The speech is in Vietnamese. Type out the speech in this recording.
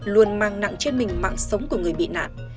luôn mang nặng trên mình mạng sống của người bị nạn